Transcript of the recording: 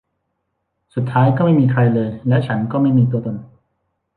สุดท้าย ก็ไม่มีใครเลย และฉันก็ไม่มีตัวตน